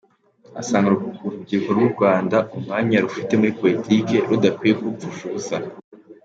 Asanga urubyiruko rw’u Rwanda umwanya rufite muri politiki rudakwiye kuwupfusha ubusa.